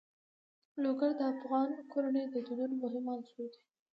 لوگر د افغان کورنیو د دودونو مهم عنصر دی.